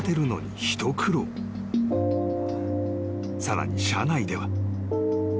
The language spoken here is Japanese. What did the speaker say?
［さらに車内では］